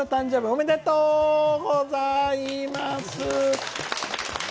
おめでとうございます！